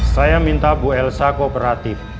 saya minta bu elsa kooperatif